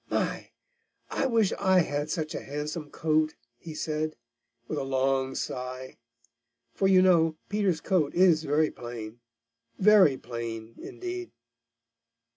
"My! I wish I had such a handsome coat," he said, with a long sigh, for you know Peter's coat is very plain, very plain, indeed.